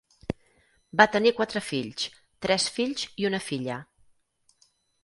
Va tenir quatre fills: tres fills i una filla.